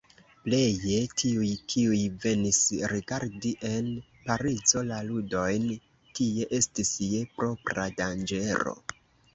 Pleje tiuj, kiuj venis rigardi en Parizo la ludojn, tie estis je propra danĝero.